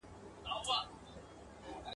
وزر مي دی راوړی سوځوې یې او که نه ..